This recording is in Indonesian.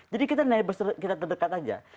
jadi kita neighbors kita terdekat aja